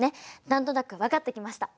何となく分かってきました！